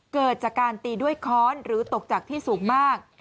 เกิดจากการตีด้วยค้อนหรือตกจากที่สูงมาก